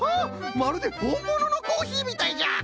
まるでほんもののコーヒーみたいじゃ！